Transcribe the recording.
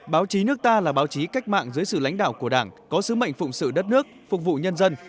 báo chí nước ta là báo chí cách mạng dưới sự lãnh đạo của đảng có sứ mệnh phụng sự đất nước phục vụ nhân dân